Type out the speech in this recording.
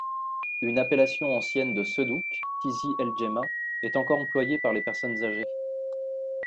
Une appellation ancienne de Seddouk, Tizi l'Djemâa, est encore employée par les personnes âgées.